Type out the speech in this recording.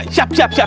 siap siap siap